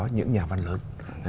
những nhà văn lớn